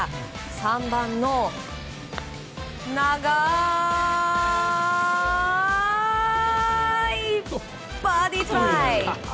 ３番の長いバーディートライ。